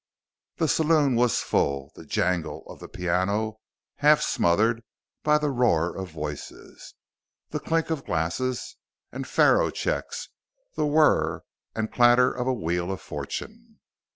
The saloon was full, the jangle of the piano half smothered by the roar of voices, the clink of glasses and faro checks, the whir and clatter of a wheel of fortune.